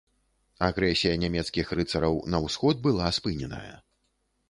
Агрэсія нямецкіх рыцараў на ўсход была спыненая.